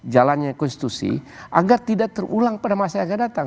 jalannya konstitusi agar tidak terulang pada masa yang akan datang